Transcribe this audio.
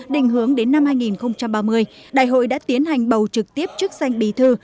định hướng đến năm hai nghìn ba mươi đại hội đã tiến hành bầu trực tiếp chức danh bí thư